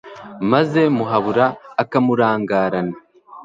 maze muhabura akamurangarana